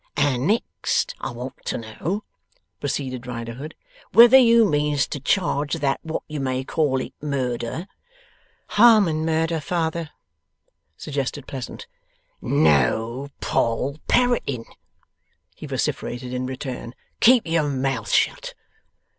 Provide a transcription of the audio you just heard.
'And next I want to know,' proceeded Riderhood 'whether you mean to charge that what you may call it murder ' 'Harmon murder, father,' suggested Pleasant. 'No Poll Parroting!' he vociferated, in return. 'Keep your mouth shut!